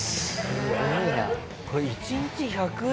すごいな。